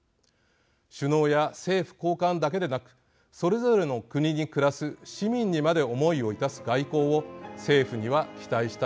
首脳や政府高官だけでなくそれぞれの国に暮らす市民にまで思いをいたす外交を政府には期待したいと思います。